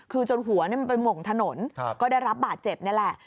คือจนหัวมันไปหม่งถนนก็ได้รับบาดเจ็บนี่แหละ